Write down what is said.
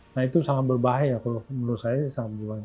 nah itu sangat berbahaya kalau menurut saya